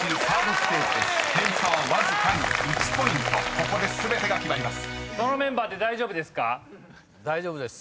［ここで全てが決まります］